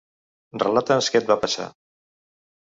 Relata'ns què et va passar.